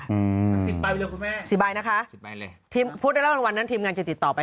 อืมสิบใบเลยครับคุณแม่สิบใบนะคะสิบใบเลยพูดได้แล้ววันนั้นทีมงานจะติดต่อไป